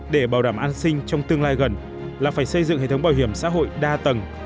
để bảo đảm an sinh trong tương lai gần là phải xây dựng hệ thống bảo hiểm xã hội đa tầng